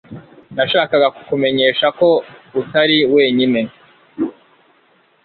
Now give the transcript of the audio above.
Nashakaga kukumenyesha ko utari wenyine